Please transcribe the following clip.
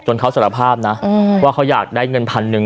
เขาสารภาพนะว่าเขาอยากได้เงินพันหนึ่ง